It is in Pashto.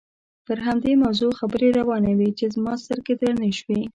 پر همدې موضوع خبرې روانې وې چې زما سترګې درنې شوې.